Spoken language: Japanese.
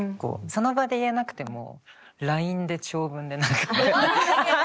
その場で言えなくてもＬＩＮＥで長文で何か。